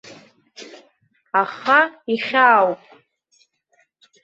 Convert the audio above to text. Аха ихьаауп.